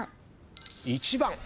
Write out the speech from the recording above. １番。